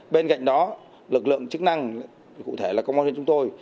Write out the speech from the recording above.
bên cạnh đó lực lượng chức năng cụ thể là công an huyện chúng tôi